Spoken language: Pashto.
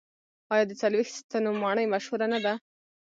آیا د څلوېښت ستنو ماڼۍ مشهوره نه ده؟